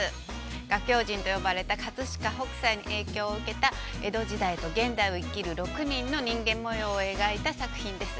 「画狂人」と呼ばれた葛飾北斎に影響を受けた江戸時代と現代を生きる６人の人間模様を描いた作品です。